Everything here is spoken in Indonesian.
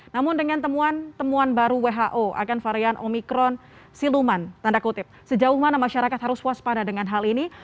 namun dengan temuan temuan baru who akan varian omikron siluman tanda kutip sejauh mana masyarakat harus waspada dengan hal ini